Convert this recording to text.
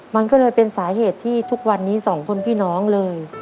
มันก็เลยเป็นสาเหตุที่ทุกวันนี้สองคนพี่น้องเลย